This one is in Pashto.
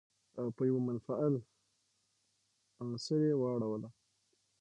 او په يوه منفعل عنصر يې واړوله.